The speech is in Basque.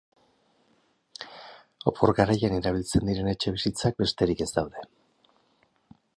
Opor garaian erabiltzen diren etxebizitzak besterik ez daude.